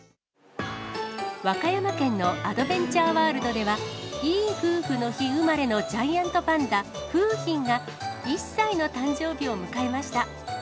和歌山県のアドベンチャーワールドでは、いい夫婦の日産まれのジャイアントパンダ、楓浜が、１歳の誕生日を迎えました。